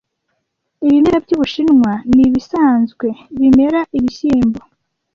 Ibimera byubushinwa nibisanzwe bimera ibishyimbo